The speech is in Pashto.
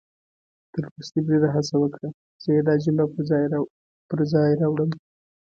تر ورستي بریده هڅه وکړه، زه يې دا جمله پر ځای راوړم